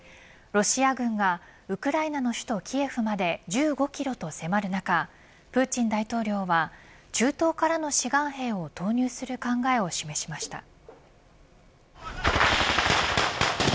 ロシア軍がウクライナの首都キエフまで１５キロと迫る中プーチン大統領は中東からの志願兵を投入する考えを示しました。